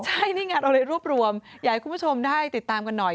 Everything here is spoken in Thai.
ใช่นี่ไงเราเลยรวบรวมอยากให้คุณผู้ชมได้ติดตามกันหน่อย